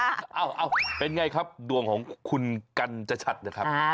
อ้าวเป็นอย่างไรครับดวงของคุณกันจชัดนะครับ